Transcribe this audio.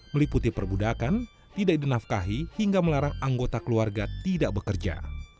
meliputi perbudakan tidak dinafkahi hingga melarang anggota keluarga tidak bekerja